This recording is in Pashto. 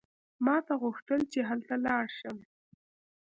ما ته غوښتل چې هلته لاړ شم.